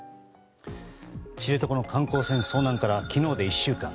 知床の観光船遭難から昨日で１週間。